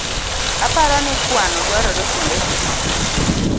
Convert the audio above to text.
Aparo ni kuano dwarore kuonde tee